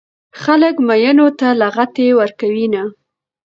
خلک ميينو ته لغتې ورکوينه